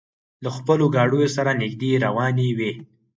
له خپلو ګاډیو سره نږدې روانې وې.